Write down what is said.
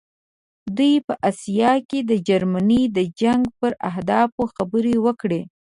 دوی په آسیا کې د جرمني د جنګ پر اهدافو خبرې وکړې.